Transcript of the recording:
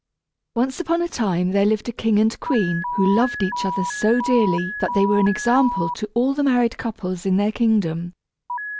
_] Once upon a time there lived a king and queen who loved each other so dearly that they were an example to all the married couples in their kingdom.